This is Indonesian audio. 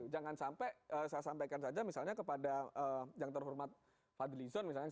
jangan sampai saya sampaikan saja misalnya kepada yang terhormat fadli zon misalnya